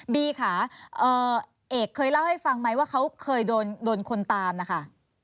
บีค่ะเอกเคยเล่าให้ฟังไหมว่าเขาเคยโดนคนตามนะคะ